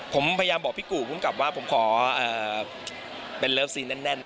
ผมพยายามบอกพี่กู่ภูมิกับว่าผมขอเป็นเลิฟซีแน่น